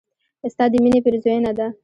ستا د مينې پيرزوينه ده